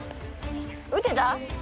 打てた？